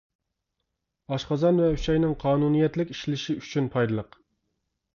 ئاشقازان ۋە ئۈچەينىڭ قانۇنىيەتلىك ئىشلىشى ئۈچۈن پايدىلىق.